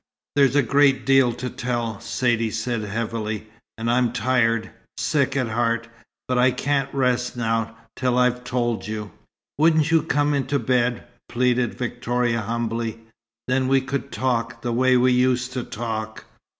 "There's a great deal to tell," Saidee said, heavily "And I'm tired sick at heart. But I can't rest now, till I've told you." "Wouldn't you come into bed?" pleaded Victoria humbly. "Then we could talk, the way we used to talk."